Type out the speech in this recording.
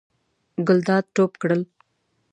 ګلداد ټوپ کړل.